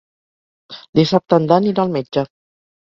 Dissabte en Dan irà al metge.